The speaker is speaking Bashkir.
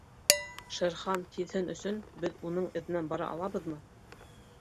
Шер Хан һиҙһен өсөн, беҙ уның әҙенән бара алабыҙмы?